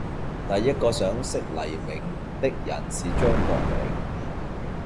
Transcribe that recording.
第一個賞識黎明的人是張國榮。